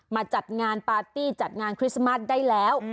จัดงานปาร์ตี้จัดงานคริสต์มัสได้แล้ว